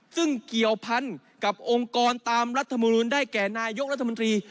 ซึ่งเกี่ยวพันกับองค์กรตามรัฐมนูลได้แก่นายกรัฐมนตรี